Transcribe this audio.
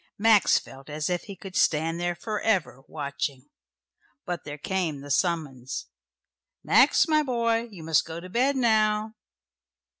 Max felt as if he could stand there for ever, watching. But there came the summons. "Max, my boy. You must go to bed now."